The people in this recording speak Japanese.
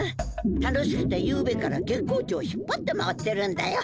楽しくてゆうべから月光町を引っぱって回ってるんだよ。